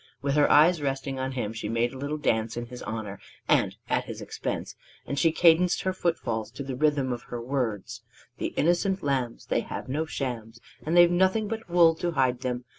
With her eyes resting on him, she made a little dance in his honor and at his expense; and she cadenced her footfalls to the rhythm of her words: The innocent lambs! They have no shams, And they've nothing but wool to hide them.